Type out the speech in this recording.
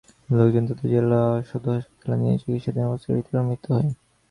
লোকজন তাঁদের জেলা সদর হাসপাতালে নিলে চিকিৎসাধীন অবস্থায় রিতার মৃত্যু হয়।